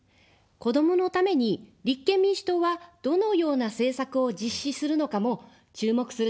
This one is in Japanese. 子どものために立憲民主党はどのような政策を実施するのかも注目する点です。